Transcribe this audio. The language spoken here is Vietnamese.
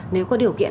nếu có điều kiện